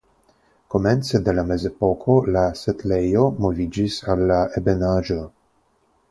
Komence de la Mezepoko la setlejo moviĝis al la ebenaĵo.